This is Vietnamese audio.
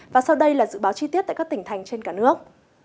và sau đây là dự báo chi tiết tại các tỉnh thành trên cả nước